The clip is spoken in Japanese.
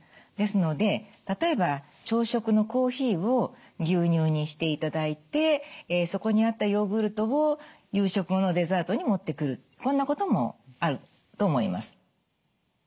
ですので例えば朝食のコーヒーを牛乳にしていただいてそこにあったヨーグルトを夕食後のデザートに持ってくるこんなこともあると思います。